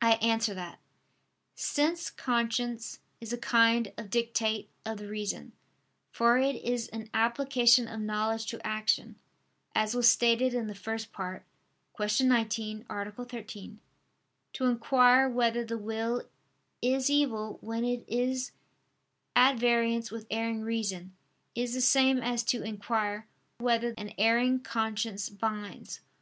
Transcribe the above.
I answer that, Since conscience is a kind of dictate of the reason, for it is an application of knowledge to action, as was stated in the First Part (Q. 19, A. 13), to inquire whether the will is evil when it is at variance with erring reason, is the same as to inquire "whether an erring conscience binds."